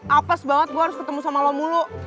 apes banget gue harus ketemu sama lo mulu